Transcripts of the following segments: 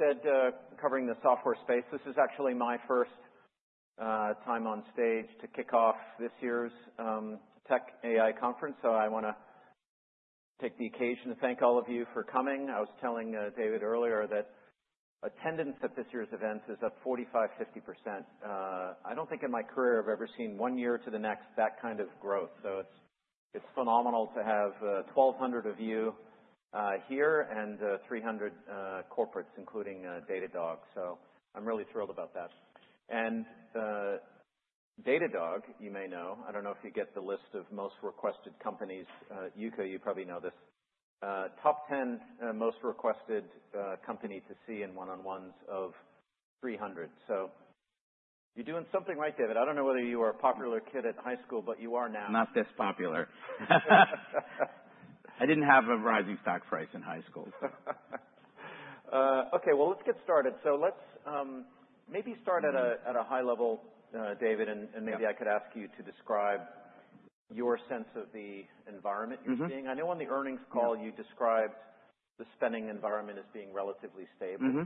Instead, covering the software space. This is actually my first time on stage to kick off this year's Tech AI Conference. So I wanna take the occasion to thank all of you for coming. I was telling David earlier that attendance at this year's event is up 45-50%. I don't think in my career I've ever seen one year to the next that kind of growth. So it's phenomenal to have 1,200 of you here and 300 corporates, including Datadog. So I'm really thrilled about that. And Datadog, you may know. I don't know if you get the list of most requested companies. Yuka, you probably know this. Top 10 most requested company to see in one-on-ones of 300. So you're doing something right, David. I don't know whether you were a popular kid at high school, but you are now not this popular. I didn't have a rising stock price in high school. Okay. Well, let's get started, so let's maybe start at a high level, David, and maybe I could ask you to describe your sense of the environment you're seeing. Mm-hmm. I know on the earnings call you described the spending environment as being relatively stable. Mm-hmm.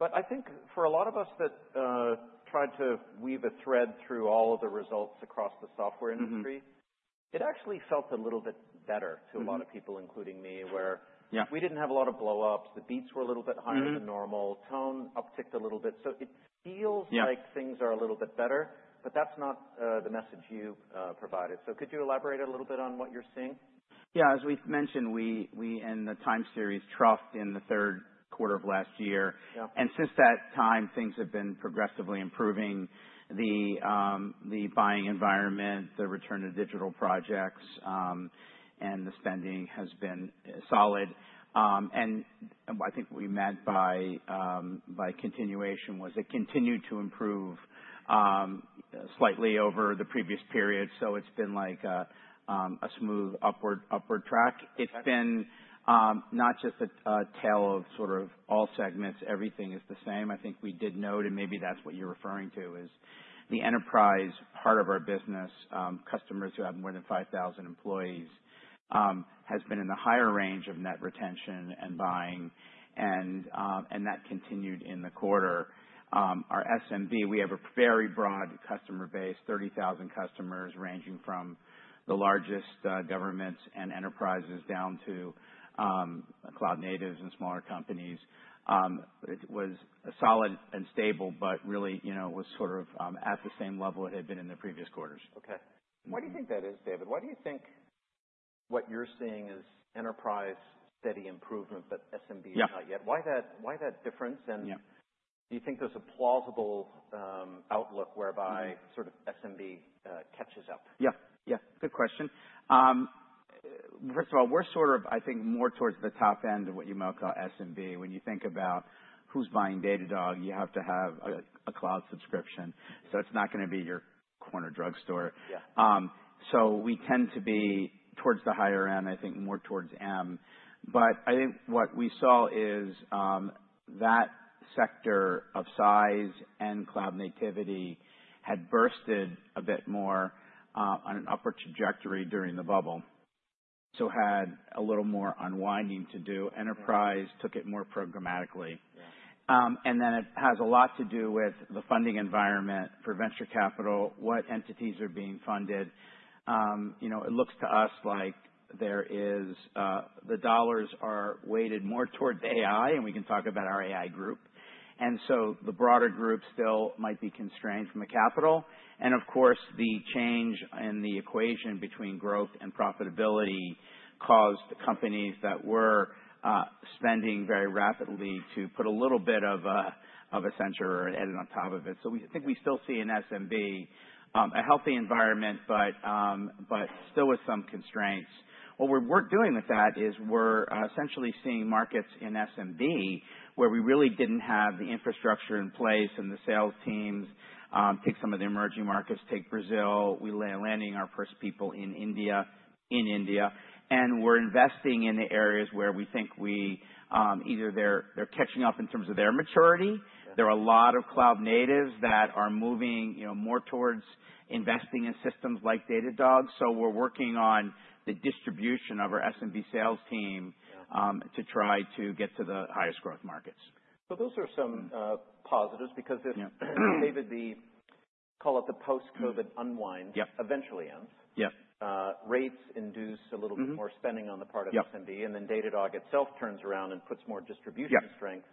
But I think for a lot of us that tried to weave a thread through all of the results across the software industry. Mm-hmm. It actually felt a little bit better to a lot of people, including me, where. Yeah. We didn't have a lot of blow-ups. The beats were a little bit higher than normal. Mm-hmm. Tone upticked a little bit. So it feels. Yeah. Like things are a little bit better, but that's not the message you provided. So could you elaborate a little bit on what you're seeing? Yeah. As we've mentioned, we in the time series troughed in the third quarter of last year. Yeah. Since that time, things have been progressively improving. The buying environment, the return to digital projects, and the spending has been solid, and I think what we meant by continuation was it continued to improve slightly over the previous period, so it's been like a smooth upward track. It's been not just a tale of sort of all segments, everything is the same. I think we did note, and maybe that's what you're referring to, is the enterprise part of our business, customers who have more than 5,000 employees, has been in the higher range of net retention and buying. And that continued in the quarter. Our SMB, we have a very broad customer base, 30,000 customers ranging from the largest, governments and enterprises down to cloud natives and smaller companies. It was solid and stable, but really, you know, was sort of at the same level it had been in the previous quarters. Okay. Why do you think that is, David? Why do you think what you're seeing is enterprise steady improvement, but SMB is not yet? Why that difference? And do you think there's a plausible outlook whereby sort of SMB catches up? Yeah. Good question. First of all, we're sort of, I think, more towards the top end of what you might call SMB. When you think about who's buying Datadog, you have to have a cloud subscription. So it's not gonna be your corner drugstore. Yeah. So we tend to be towards the higher end, I think more towards M. But I think what we saw is, that sector of size and cloud native had burst a bit more, on an upward trajectory during the bubble. So had a little more unwinding to do. Enterprise took it more programmatically. And then it has a lot to do with the funding environment for venture capital, what entities are being funded. You know, it looks to us like there is, the dollars are weighted more toward AI, and we can talk about our AI group. And so the broader group still might be constrained from a capital. And of course, the change in the equation between growth and profitability caused companies that were spending very rapidly to put a little bit of a center or an edit on top of it. So we think we still see an SMB, a healthy environment, but still with some constraints. What we're doing with that is we're essentially seeing markets in SMB where we really didn't have the infrastructure in place and the sales teams, take some of the emerging markets, take Brazil. We're landing our first people in India. We're investing in the areas where we think either they're catching up in terms of their maturity. There are a lot of cloud natives that are moving, you know, more towards investing in systems like Datadog. So we're working on the distribution of our SMB sales team to try to get to the highest growth markets. So those are some positives because if, David, they call it the post-COVID unwind eventually ends. Rates induce a little bit more spending on the part of SMB and then Datadog itself turns around and puts more distribution strength.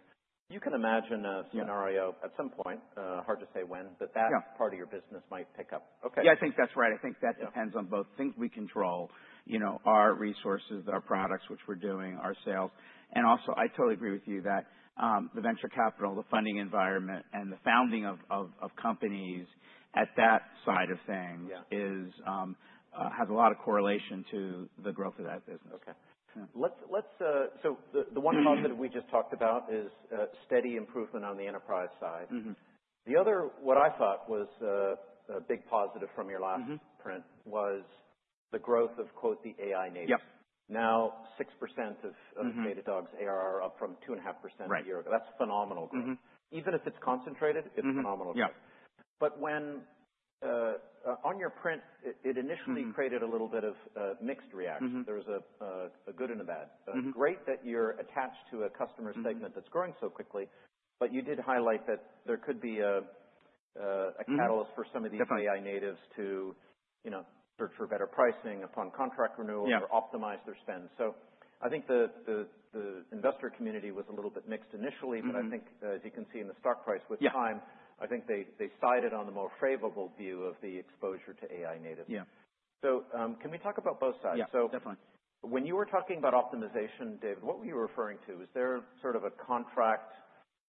You can imagine a scenario at some point. Hard to say when, but that part of your business might pick up. Okay. Yeah. I think that's right. I think that depends on both things we control, you know, our resources, our products, which we're doing, our sales. And also, I totally agree with you that, the venture capital, the funding environment, and the founding of companies at that side of things. It has a lot of correlation to the growth of that business. Okay. So, the one positive we just talked about is steady improvement on the enterprise side. The other, what I thought was, a big positive from your last print was the growth of, quote, the AI Native. Now, 6% of Datadog's ARR are up from 2.5% a year ago. That's phenomenal growth. Even if it's concentrated, it's phenomenal growth. Yeah. But when on your print, it initially created a little bit of mixed reaction. There was a good and a bad. Great that you're attached to a customer segment that's growing so quickly, but you did highlight that there could be a catalyst for some of these AI natives to, you know, search for better pricing upon contract renewal. Or optimize their spend. So I think the investor community was a little bit mixed initially. But I think, as you can see in the stock price with time. I think they sided on the more favorable view of the exposure to AI natives. So, can we talk about both sides? Yeah. Definitely. When you were talking about optimization, David, what were you referring to? Is there sort of a contract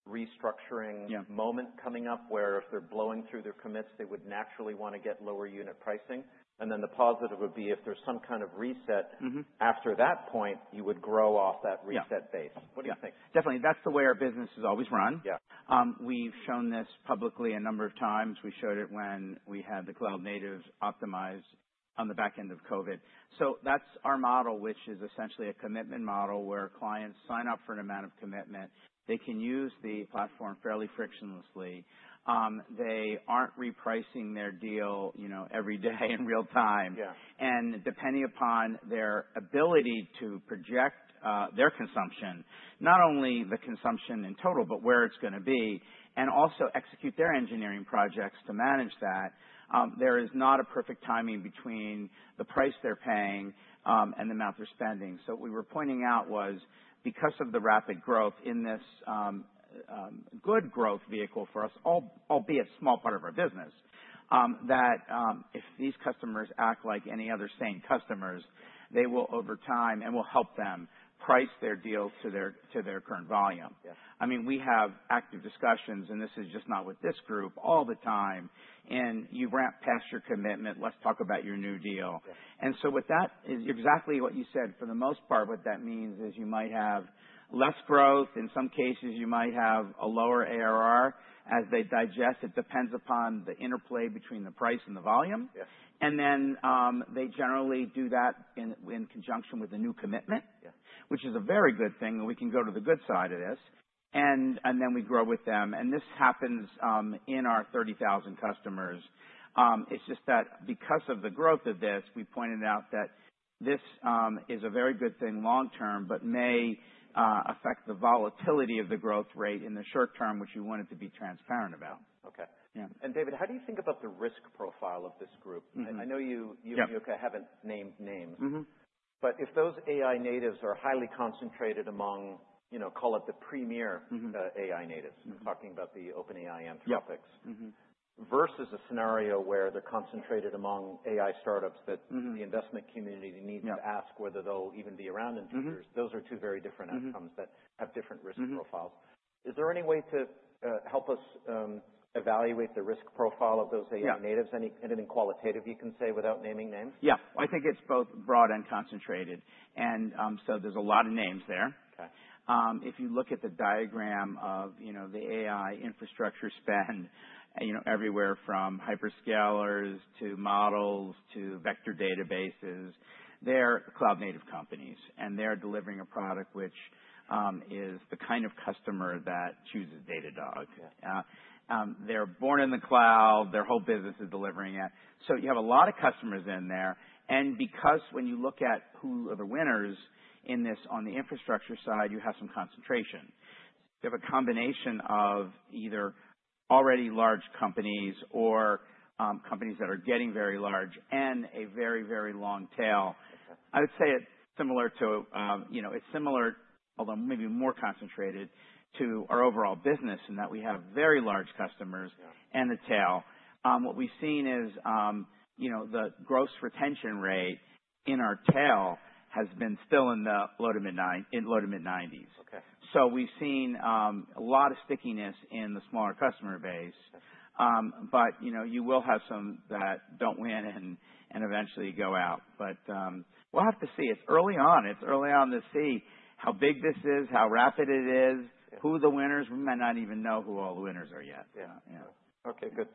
restructuring? Moment coming up where if they're blowing through their commits, they would naturally wanna get lower unit pricing? And then the positive would be if there's some kind of reset. After that point, you would grow off that reset base. What do you think? Definitely. That's the way our business has always run. Yeah. We've shown this publicly a number of times. We showed it when we had the cloud natives optimize on the back end of COVID. So that's our model, which is essentially a commitment model where clients sign up for an amount of commitment. They can use the platform fairly frictionlessly. They aren't repricing their deal, you know, every day in real time. Yeah. Depending upon their ability to project, their consumption, not only the consumption in total, but where it's gonna be, and also execute their engineering projects to manage that, there is not a perfect timing between the price they're paying, and the amount they're spending. What we were pointing out was because of the rapid growth in this, good growth vehicle for us, albeit small part of our business, that if these customers act like any other sane customers, they will over time and will help them price their deal to their current volume. Yeah. I mean, we have active discussions, and this is just not with this group, all the time. And you ramp past your commitment, let's talk about your new deal. Yeah. And so what that is exactly what you said. For the most part, what that means is you might have less growth. In some cases, you might have a lower ARR as they digest. It depends upon the interplay between the price and the volume. Yeah. They generally do that in conjunction with a new commitment. Yeah. Which is a very good thing, and we can go to the good side of this, and then we grow with them, and this happens in our 30,000 customers. It's just that because of the growth of this, we pointed out that this is a very good thing long term, but may affect the volatility of the growth rate in the short term, which we wanted to be transparent about. Okay. Yeah. David, how do you think about the risk profile of this group? I know you got haven't named names. But if those AI natives are highly concentrated among, you know, call it the premier AI natives. We're talking about the OpenAI, Anthropic. Versus a scenario where they're concentrated among AI startups that. The investment community needs to ask whether they'll even be around in two years. Those are two very different outcomes that have different risk profiles. Is there any way to help us evaluate the risk profile of those AI natives? Anything qualitative you can say without naming names? Yeah. I think it's both broad and concentrated, and so there's a lot of names there. If you look at the diagram of, you know, the AI infrastructure spend, you know, everywhere from hyperscalers to models to vector databases, they're cloud native companies, and they're delivering a product which is the kind of customer that chooses Datadog. Yeah. They're born in the cloud. Their whole business is delivering it. So you have a lot of customers in there, and because when you look at who are the winners in this on the infrastructure side, you have some concentration. You have a combination of either already large companies or, companies that are getting very large and a very, very long tail. Okay. I would say it's similar to, you know, it's similar, although maybe more concentrated to our overall business in that we have very large customers. The tail. What we've seen is, you know, the gross retention rate in our tail has been still in the low to mid-90s. So we've seen a lot of stickiness in the smaller customer base. But, you know, you will have some that don't win and eventually go out. But, we'll have to see. It's early on to see how big this is, how rapid it is. Yeah. Who the winners are, we might not even know who all the winners are yet. Yeah. Yeah. Okay. Good,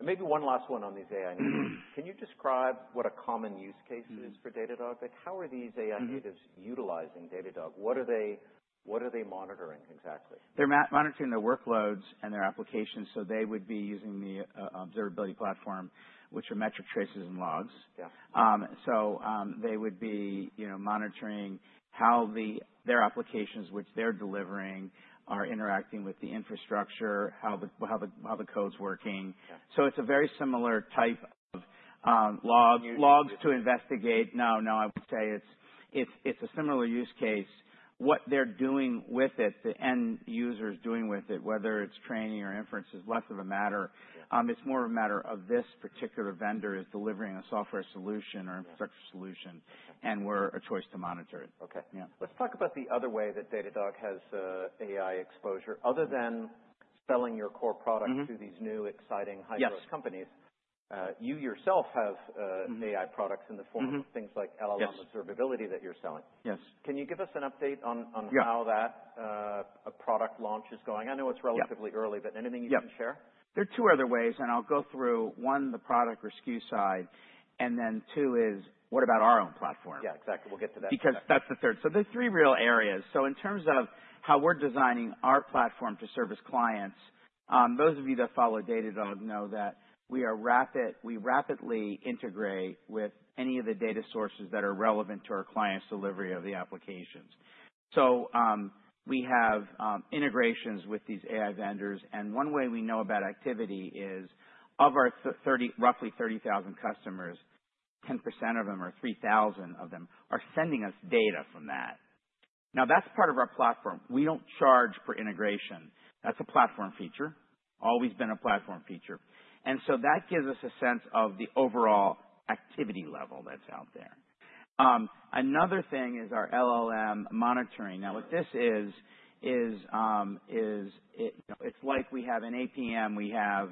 and maybe one last one on these AI natives. Can you describe what a common use case is for Datadog? Like, how are these AI natives utilizing Datadog? What are they monitoring exactly? They're monitoring their workloads and their applications. So they would be using the observability platform, which are metrics, traces, and logs. So, they would be, you know, monitoring how their applications, which they're delivering, are interacting with the infrastructure, how the code's working. So it's a very similar type of log. Logs to investigate? No, no. I would say it's a similar use case. What they're doing with it, the end user's doing with it, whether it's training or inference, is less of a matter. It's more of a matter of this particular vendor is delivering a software solution or. Infrastructure solution, and we're a choice to monitor it. Okay. Yeah. Let's talk about the other way that Datadog has, AI exposure. Other than selling your core product. To these new exciting hyperscale companies, you yourself have, AI products in the form of things like LLM Observability that you're selling. Yes. Can you give us an update on how that? Product launch is going? I know it's relatively early, but anything you can share? Yeah. There are two other ways, and I'll go through one, the product rescue side, and then two is what about our own platform? Yeah. Exactly. We'll get to that. Because that's the third. So there's three real areas. So in terms of how we're designing our platform to service clients, those of you that follow Datadog know that we rapidly integrate with any of the data sources that are relevant to our clients' delivery of the applications. So, we have integrations with these AI vendors. And one way we know about activity is of our roughly 30,000 customers, 10% of them or 3,000 of them are sending us data from that. Now, that's part of our platform. We don't charge per integration. That's a platform feature. Always been a platform feature. And so that gives us a sense of the overall activity level that's out there. Another thing is our LLM monitoring. Now, what this is, is, you know, it's like we have an APM. We have,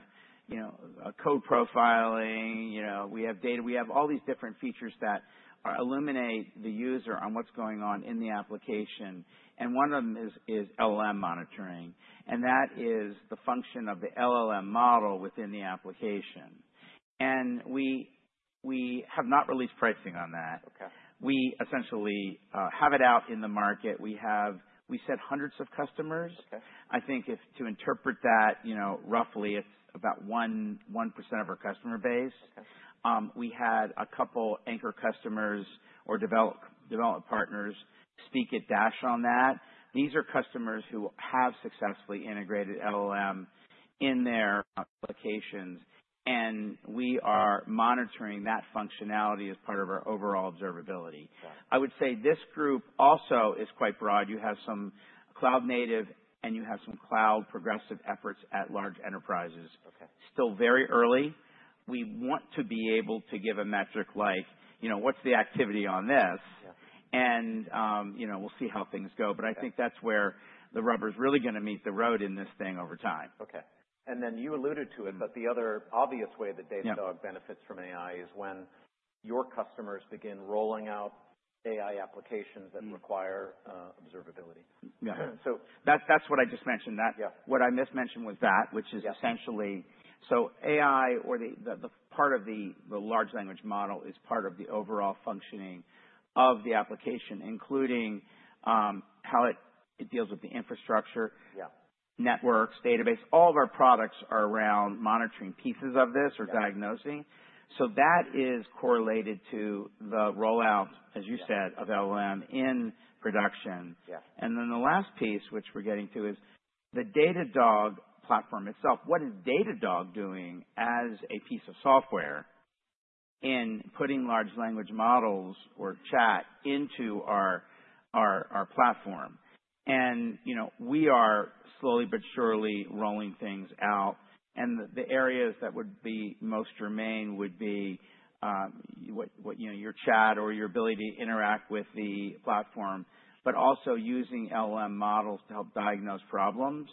you know, code profiling. You know, we have all these different features that illuminate the user on what's going on in the application. And one of them is LLM monitoring. And that is the function of the LLM model within the application. And we have not released pricing on that. Okay. We essentially have it out in the market. We said hundreds of customers. I think if to interpret that, you know, roughly, it's about one, one% of our customer base. We had a couple anchor customers or development partners speak at DASH on that. These are customers who have successfully integrated LLM in their applications, and we are monitoring that functionality as part of our overall observability. Okay. I would say this group also is quite broad. You have some cloud native, and you have some cloud progressive efforts at large enterprises. Still very early. We want to be able to give a metric like, you know, what's the activity on this? You know, we'll see how things go. But I think that's where the rubber's really gonna meet the road in this thing over time. Okay, and then you alluded to it. But the other obvious way that Datadog. Benefits from AI is when your customers begin rolling out AI applications that require observability. Yeah. So that's what I just mentioned. Yeah. What I mismentioned was that, which is. Essentially. So AI or the part of the large language model is part of the overall functioning of the application, including how it deals with the infrastructure. Networks, database. All of our products are around monitoring pieces of this or diagnosing. So that is correlated to the rollout, as you said of LLM in production. Yeah. And then the last piece, which we're getting to, is the Datadog platform itself. What is Datadog doing as a piece of software in putting large language models or chat into our platform? And, you know, we are slowly but surely rolling things out. And the areas that would be most germane would be, you know, your chat or your ability to interact with the platform, but also using LLM models to help diagnose problems.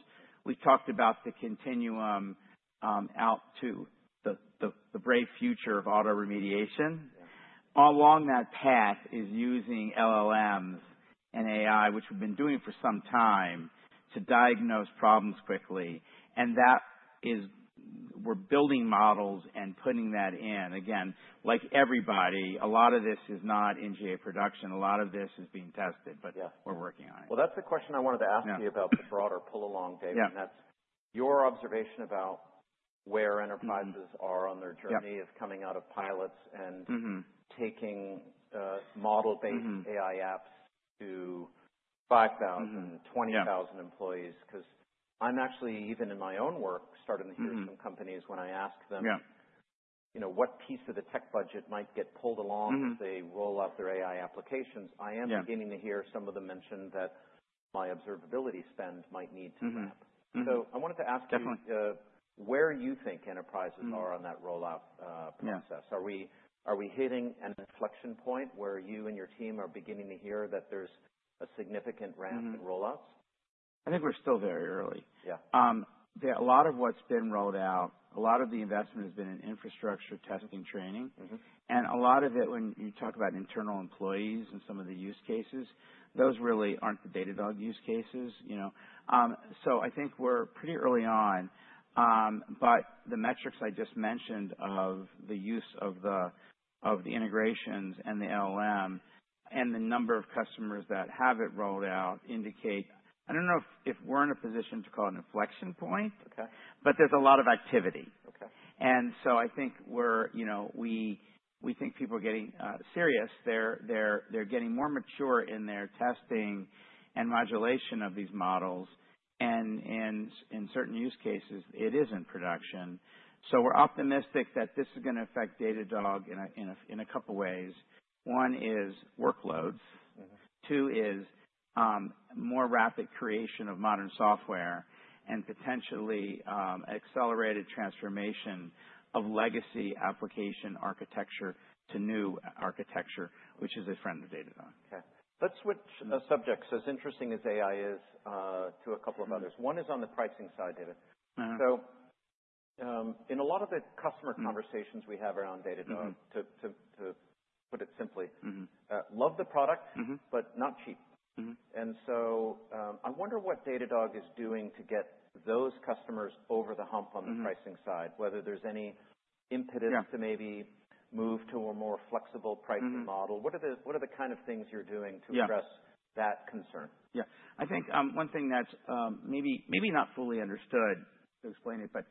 We talked about the continuum, out to the brave future of autoremediation. Yeah. Along that path is using LLMs and AI, which we've been doing for some time, to diagnose problems quickly, and that is we're building models and putting that in. Again, like everybody, a lot of this is not in GA production. A lot of this is being tested, but we're working on it. That's the question I wanted to ask you about the broader pull along, David. That's your observation about where enterprises are on their journey is coming out of pilots and taking, model-based AI apps to 5,000-20,000 employees. 'Cause I'm actually, even in my own work, starting to hear from companies when I ask them. You know, what piece of the tech budget might get pulled along as they roll out their AI applications. I am beginning to hear some of them mention that my observability spend might need to ramp. So I wanted to ask you, where you think enterprises are on that rollout process? Are we hitting an inflection point where you and your team are beginning to hear that there's a significant ramp in rollouts? I think we're still very early. Yeah. There's a lot of what's been rolled out. A lot of the investment has been in infrastructure, testing, training. Mm-hmm. And a lot of it when you talk about internal employees and some of the use cases, those really aren't the Datadog use cases, you know. So I think we're pretty early on. But the metrics I just mentioned of the use of the integrations and the LLM and the number of customers that have it rolled out indicate I don't know if we're in a position to call it an inflection point. Okay. But there's a lot of activity. Okay. So I think we're, you know, we think people are getting serious. They're getting more mature in their testing and modulation of these models. In certain use cases, it is in production. We're optimistic that this is gonna affect Datadog in a couple ways. One is workloads. Two is, more rapid creation of modern software and potentially, accelerated transformation of legacy application architecture to new architecture, which is a friend of Datadog. Okay. Let's switch subjects, as interesting as AI is, to a couple of others. One is on the pricing side, David. So, in a lot of the customer conversations we have around Datadog. To put it simply love the product. But not cheap. Mm-hmm. I wonder what Datadog is doing to get those customers over the hump on the pricing side. Whether there's any impetus. To maybe move to a more flexible pricing model. What are the kind of things you're doing to address that concern? Yeah. I think one thing that's maybe, maybe not fully understood to explain it, but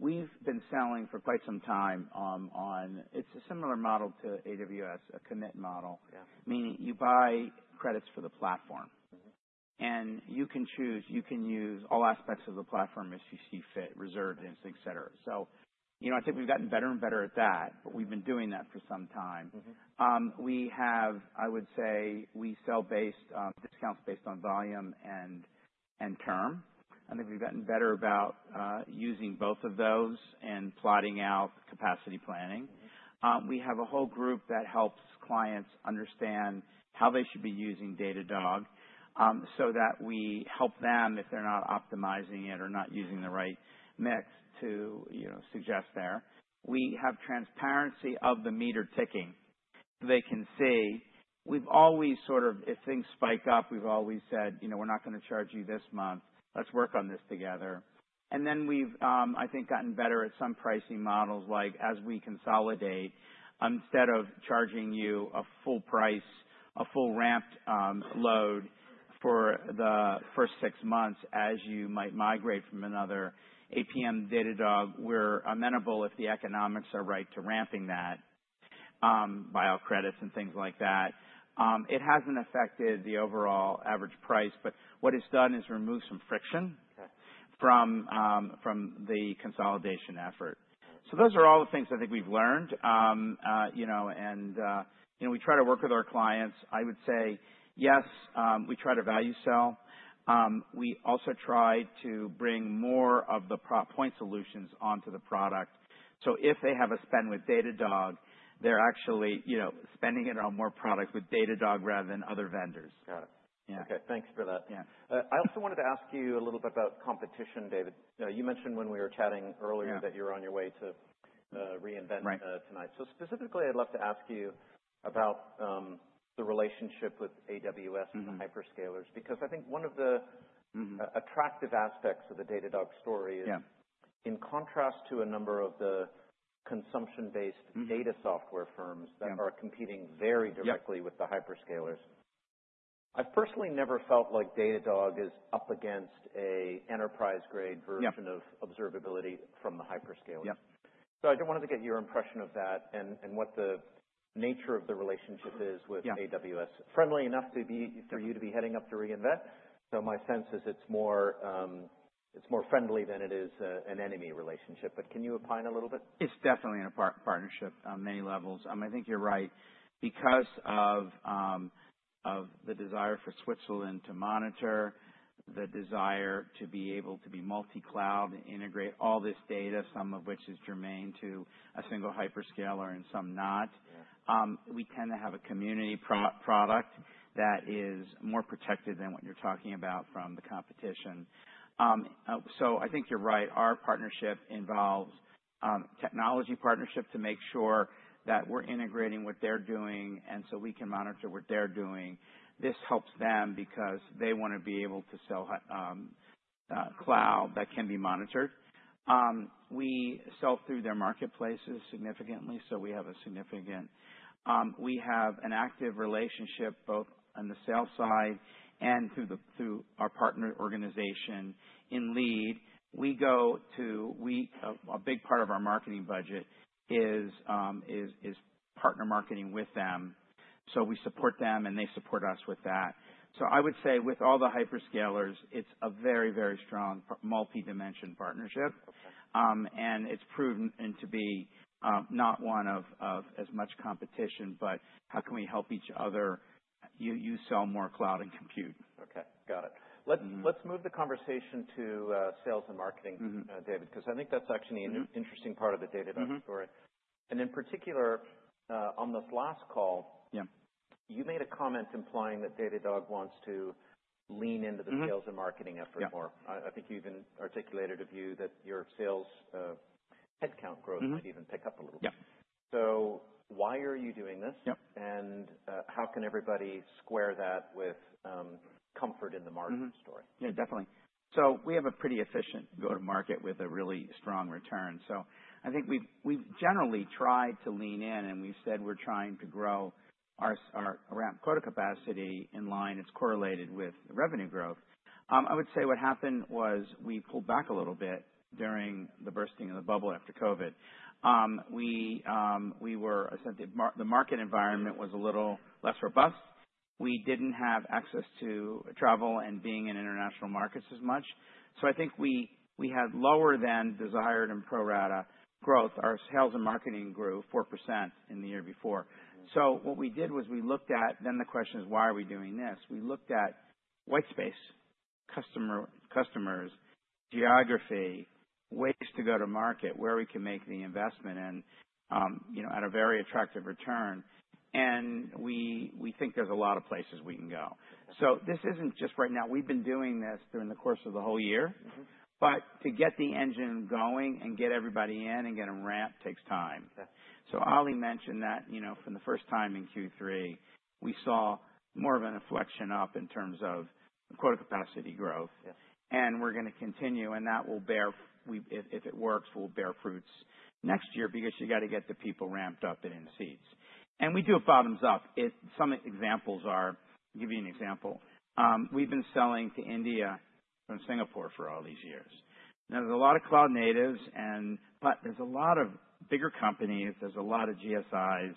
we've been selling for quite some time on, it's a similar model to AWS, a commit model. Yeah. Meaning you buy credits for the platform. Mm-hmm. And you can choose. You can use all aspects of the platform as you see fit, resurgence, etc. So, you know, I think we've gotten better and better at that, but we've been doing that for some time. We have, I would say, we sell based discounts based on volume and term. I think we've gotten better about using both of those and plotting out capacity planning. Mm-hmm. We have a whole group that helps clients understand how they should be using Datadog, so that we help them if they're not optimizing it or not using the right mix to, you know, suggest there. We have transparency of the meter ticking so they can see. We've always sort of if things spike up, we've always said, you know, "We're not gonna charge you this month. Let's work on this together." And then we've, I think, gotten better at some pricing models like, as we consolidate, instead of charging you a full price, a full ramped load for the first six months as you might migrate from another APM to Datadog, we're amenable if the economics are right to ramping that, by all credits and things like that. It hasn't affected the overall average price, but what it's done is remove some friction. From the consolidation effort. Okay. So those are all the things I think we've learned, you know, and, you know, we try to work with our clients. I would say, yes, we try to value sell. We also try to bring more of the point solutions onto the product. So if they have a spend with Datadog, they're actually, you know, spending it on more product with Datadog rather than other vendors. Got it. Yeah. Okay. Thanks for that. Yeah. I also wanted to ask you a little bit about competition, David. You mentioned when we were chatting earlier. That you were on your way to re:Invent tonight. So specifically, I'd love to ask you about the relationship with AWS and the hyperscalers because I think one of the attractive aspects of the Datadog story is in contrast to a number of the consumption-based data software firms that are competing very directly with the hyperscalers, I've personally never felt like Datadog is up against an enterprise-grade version of observability from the hyperscalers. Yep. So I wanted to get your impression of that and what the nature of the relationship is with AWS. Yeah. Friendly enough to be for you to be heading up to re:Invent? So my sense is it's more, it's more friendly than it is an enemy relationship. But can you opine a little bit? It's definitely in a partnership on many levels. I think you're right. Because of the desire for Switzerland to monitor, the desire to be able to be multi-cloud and integrate all this data, some of which is germane to a single hyperscaler and some not. Yeah. We tend to have a community pro-product that is more protected than what you're talking about from the competition. So I think you're right. Our partnership involves technology partnership to make sure that we're integrating what they're doing and so we can monitor what they're doing. This helps them because they wanna be able to sell hybrid cloud that can be monitored. We sell through their marketplaces significantly, so we have a significant active relationship both on the sales side and through our partner organization in lead. We go to a big part of our marketing budget is partner marketing with them. So we support them, and they support us with that. So I would say with all the hyperscalers, it's a very, very strong multi-dimension partnership. Okay. And it's proven to be not so much competition, but how can we help each other? You sell more cloud and compute. Okay. Got it. Let's move the conversation to sales and marketing. David, 'cause I think that's actually an interesting part of the Datadog story and in particular, on this last call. Yeah. You made a comment implying that Datadog wants to lean into the sales and marketing effort more. Yeah. I think you even articulated a view that your sales, headcount growth might even pick up a little bit. Yeah. So why are you doing this? How can everybody square that with comfort in the marketing story? Yeah. Definitely. So we have a pretty efficient go-to-market with a really strong return. So I think we've generally tried to lean in, and we've said we're trying to grow our ramp quota capacity in line, it's correlated with revenue growth. I would say what happened was we pulled back a little bit during the bursting of the bubble after COVID. We were essentially the market environment was a little less robust. We didn't have access to travel and being in international markets as much. So I think we had lower than desired and pro rata growth. Our sales and marketing grew 4% in the year before. Mm-hmm. So what we did was we looked at, then the question is, why are we doing this? We looked at white space, customers, geography, ways to go to market, where we can make the investment and, you know, at a very attractive return. And we think there's a lot of places we can go. Okay. So this isn't just right now. We've been doing this during the course of the whole year. Mm-hmm. But to get the engine going and get everybody in and get them ramped takes time. Okay. Ollie mentioned that, you know, from the first time in Q3, we saw more of an inflection up in terms of quota capacity growth. Yeah. We're gonna continue, and that will bear fruit if it works. We'll bear fruit next year because you gotta get the people ramped up and in seats. We do it bottoms up. I'll give you some examples. I'll give you an example. We've been selling to India from Singapore for all these years. Now, there's a lot of cloud natives, but there's a lot of bigger companies. There's a lot of GSIs,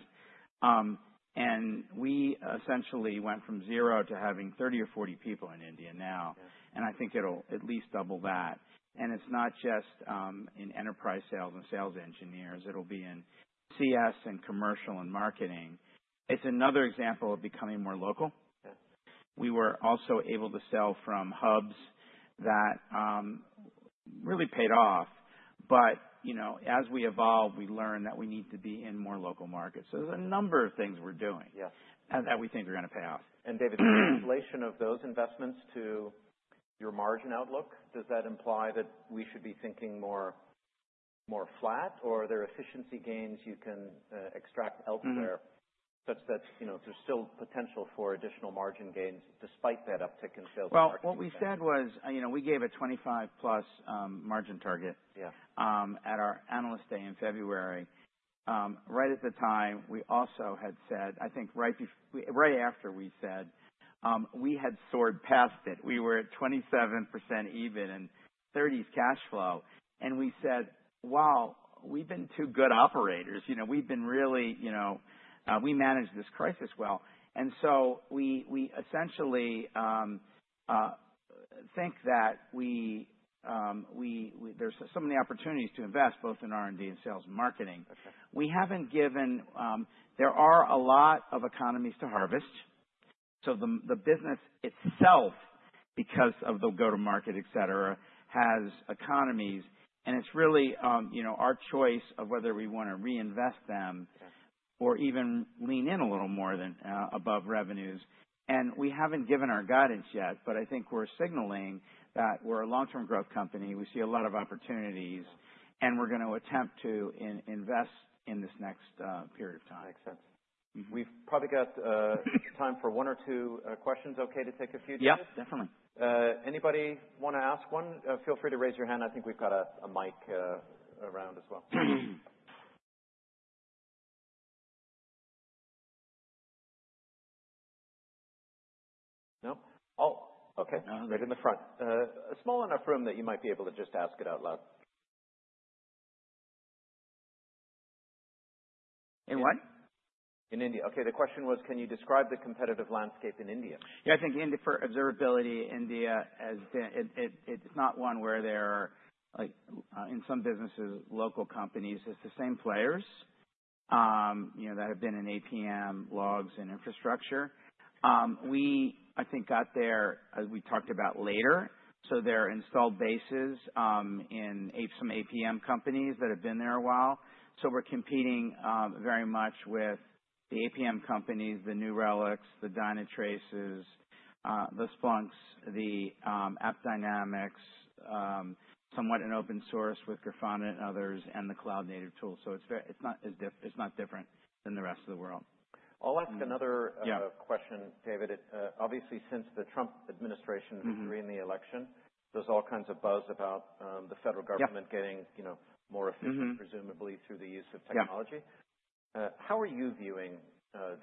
and we essentially went from zero to having 30 or 40 people in India now. Yeah. And I think it'll at least double that. And it's not just in enterprise sales and sales engineers. It'll be in CS and commercial and marketing. It's another example of becoming more local. Yeah. We were also able to sell from hubs that really paid off, but you know, as we evolve, we learn that we need to be in more local markets, so there's a number of things we're doing. Yeah. that we think are gonna pay off. David, the translation of those investments to your margin outlook, does that imply that we should be thinking more flat, or are there efficiency gains you can extract elsewhere such that, you know, there's still potential for additional margin gains despite that uptick in sales and marketing? What we said was, you know, we gave a 25-plus margin target. Yeah. At our analyst day in February, right at the time, we also had said I think right before right after we said, we had soared past it. We were at 27% EBIT and 30s cash flow. And we said, "Wow, we've been too good operators. You know, we've been really, you know, we managed this crisis well." And so we essentially think that there's some of the opportunities to invest both in R&D and sales and marketing. We haven't given, there are a lot of economies to harvest. So the business itself, because of the go-to-market, etc., has economies. And it's really, you know, our choice of whether we wanna reinvest them. Or even lean in a little more than above revenues. And we haven't given our guidance yet, but I think we're signaling that we're a long-term growth company. We see a lot of opportunities. We're gonna attempt to invest in this next period of time. Makes sense. Mm-hmm. We've probably got time for one or two questions. Okay to take a few, David? Yeah. Definitely. Anybody wanna ask one? Feel free to raise your hand. I think we've got a, a mic, around as well. No? Oh. Okay. No. Right in the front. A small enough room that you might be able to just ask it out loud. In what? In India. Okay. The question was, can you describe the competitive landscape in India? Yeah. I think India for observability, India has been it. It's not one where they're, like, in some businesses, local companies. It's the same players, you know, that have been in APM, logs, and infrastructure. We, I think, got there, as we talked about later. So there are installed bases, in APAC some APM companies that have been there a while. So we're competing, very much with the APM companies, the New Relics, the Dynatraces, the Splunks, the AppDynamics, somewhat with open source with Grafana and others, and the cloud-native tool. So it's very. It's not different than the rest of the world. I'll ask another question, David. It, obviously, since the Trump administration, who's winning the election, there's all kinds of buzz about the federal government getting, you know, more efficient presumably through the use of technology. Yeah. How are you viewing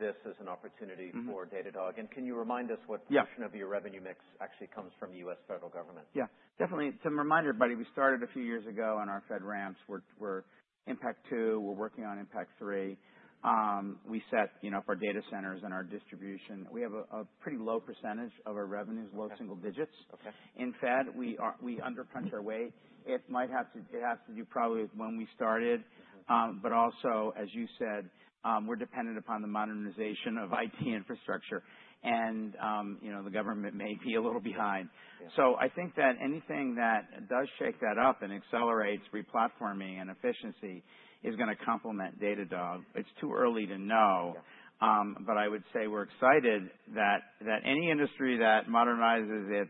this as an opportunity for Datadog? And can you remind us what portion of your revenue mix actually comes from the U.S. federal government? Yeah. Definitely. To remind everybody, we started a few years ago on our FedRAMP. We're Impact 2. We're working on impact three. We set, you know, for data centers and our distribution. We have a pretty low percentage of our revenues, low single digits. Okay. In federal, we underpunched our weight. It might have to do probably with when we started. But also, as you said, we're dependent upon the modernization of IT infrastructure. And, you know, the government may be a little behind. So I think that anything that does shake that up and accelerates replatforming and efficiency is gonna complement Datadog. It's too early to know. Yeah. But I would say we're excited that any industry that modernizes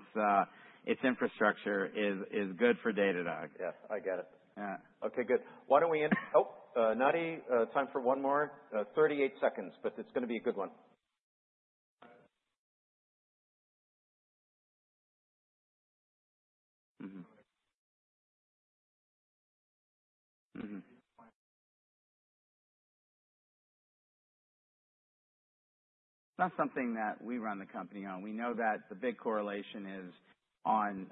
its infrastructure is good for Datadog. Yeah. I get it. Yeah. Okay. Good. Why don't we end? Oh, Nadi, time for one more, 38 seconds, but it's gonna be a good one. Mm-hmm. Mm-hmm. It's not something that we run the company on. We know that the big correlation is on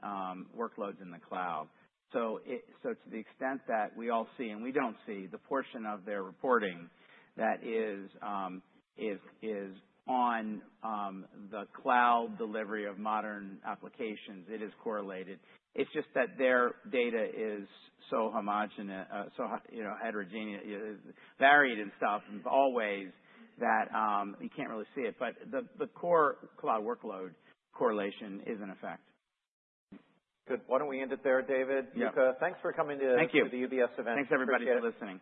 workloads in the cloud. So to the extent that we all see, and we don't see, the portion of their reporting that is on the cloud delivery of modern applications, it is correlated. It's just that their data is so homogeneous, so, you know, heterogeneous, varied in stuff, and all that, you can't really see it. But the core cloud workload correlation is in effect. Good. Why don't we end it there, David? Yeah, Yuka. Thanks for coming to the UBS event. Thanks, everybody, for listening.